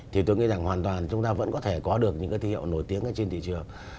thì tôi nghĩ rằng hoàn toàn chúng ta vẫn có thể có được những cái thương hiệu nổi tiếng ở trên thị trường